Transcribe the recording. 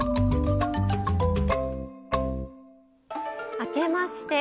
明けまして。